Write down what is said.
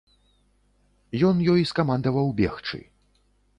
Ён ёй скамандаваў бегчы.